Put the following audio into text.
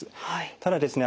ただですね